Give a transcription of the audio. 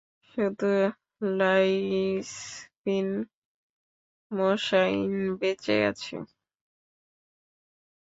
শুধু লাঈছ বিন মোশানই বেঁচে আছে।